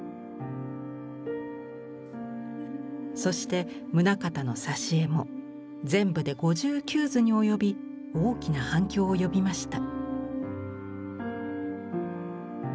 そして棟方の挿絵も全部で５９図に及び大きな反響を呼びました。